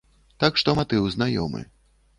Так што матыў знаёмы.